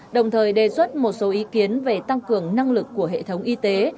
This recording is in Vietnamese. đồng thời đề xuất một số ý kiến về tăng cường năng lực của hệ thống y tế